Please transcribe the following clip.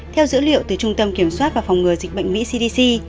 theo dữ liệu từ trung tâm kiểm soát và phòng ngừa dịch bệnh mỹ cdc